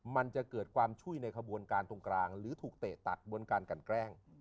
มันจะเกิดความช่วยในขบวนการตรงกลางหรือถูกเตะตัดบนการกันแกล้ง